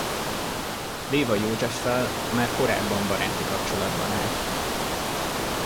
Lévay Józseffel már korábban baráti kapcsolatban állt.